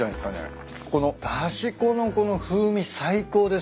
このだし粉のこの風味最高です。